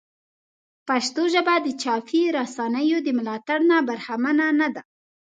پښتو ژبه د چاپي رسنیو د ملاتړ نه برخمنه نه ده.